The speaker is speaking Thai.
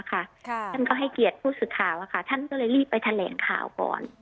ท่านก็ให้เกียรติผู้สื่อข่าวท่านก็เลยรีบไปแถลงข่าวก่อน